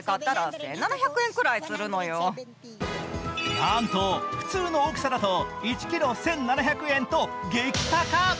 なんと、普通の大きさだと１ｋｇ１７００円と激高。